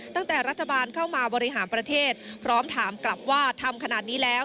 ตั้งแต่รัฐบาลเข้ามาบริหารประเทศพร้อมถามกลับว่าทำขนาดนี้แล้ว